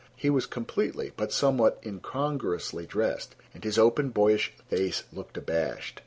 He was completely but somewhat incongruously dressed, and his open, boyish face looked abashed.